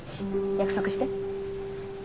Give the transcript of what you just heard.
約束して。